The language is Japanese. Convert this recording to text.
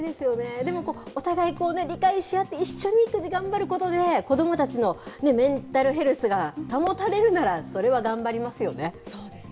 でも、お互いこうね、理解し合って、一緒に育児頑張ることで、子どもたちのメンタルヘルスが保たれるなら、それは頑張りますよね。